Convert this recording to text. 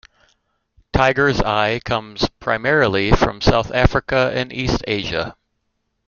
Tiger's eye comes primarily from South Africa and east Asia.